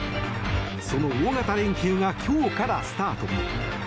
その大型連休が今日からスタート。